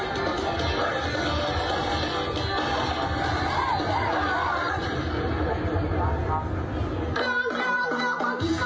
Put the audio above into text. เยี่ยม